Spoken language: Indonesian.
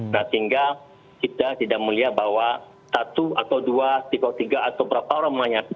nah sehingga kita tidak melihat bahwa satu atau dua tipe tiga atau berapa orang menanyakan